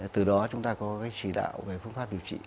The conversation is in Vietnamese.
từ đó chúng ta có cái chỉ đạo về phương pháp điều trị